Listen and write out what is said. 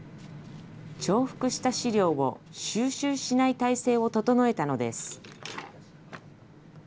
重複した資料を収集しない体制を整えたのです。